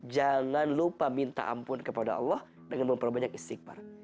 jangan lupa minta ampun kepada allah dengan memperbanyak istighfar